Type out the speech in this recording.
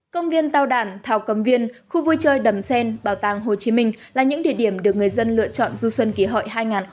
công viên tàu đản thảo cầm viên khu vui chơi đầm xen bảo tàng hồ chí minh là những địa điểm được người dân lựa chọn du xuân kỷ hội hai nghìn một mươi chín